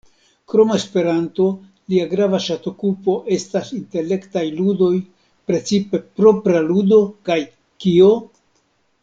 Krom Esperanto, lia grava ŝatokupo estas intelektaj ludoj, precipe "Propra ludo" kaj "Kio?